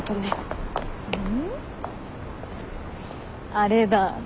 あれだ。